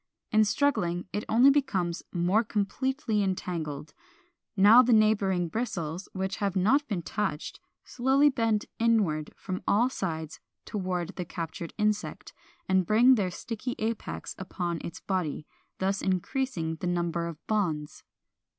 In struggling it only becomes more completely entangled. Now the neighboring bristles, which have not been touched, slowly bend inward from all sides toward the captured insect, and bring their sticky apex against its body, thus increasing the number of bonds.